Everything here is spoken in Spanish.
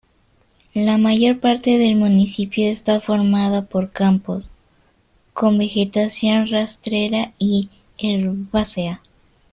La mayor parte del municipio está formada por campos, con vegetación rastrera y herbácea.